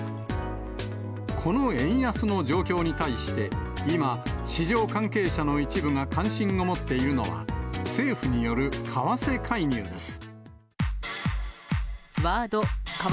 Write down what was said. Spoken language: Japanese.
この円安の状況に対して、今、市場関係者の一部が関心を持っているのは、政府による為替介入です。